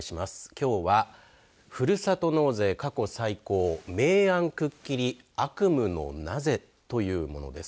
きょうはふるさと納税過去最高明暗くっきり悪夢のなぜというものです。